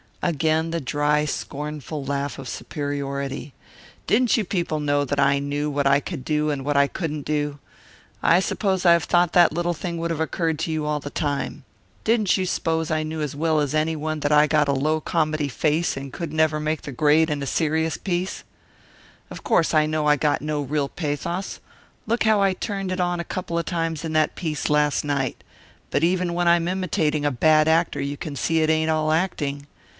Again the dry, scornful laugh of superiority. "Didn't you people know that I knew what I could do and what I couldn't do? I should have thought that little thing would of occurred to you all the time. Didn't you s'pose I knew as well as any one that I got a low comedy face and couldn't ever make the grade in a serious piece? "Of course I know I got real pathos look how I turned it on a couple o' times in that piece last night but even when I'm imitating a bad actor you can see it ain't all acting.